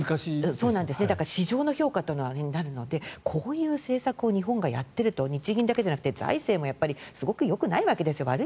市場の評価になるのでこういう政策を日本がやっていると日銀だけじゃなくて財政も悪いわけです。